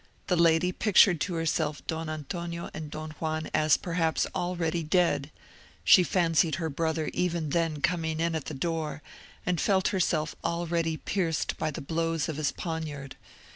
The lady pictured to herself Don Antonio and Don Juan as perhaps already dead; she fancied her brother even then coming in at the door, and felt herself already pierced by the blows of his poniard.